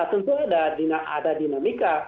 tentu ada dinamika